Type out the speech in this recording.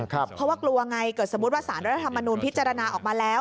เพราะว่ากลัวไงเกิดสมมุติว่าสารรัฐธรรมนูลพิจารณาออกมาแล้ว